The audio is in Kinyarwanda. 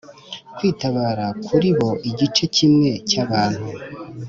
kwitabara. kuri bo igice kimwe cy’abantu